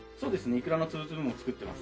いくらの粒々も作ってます。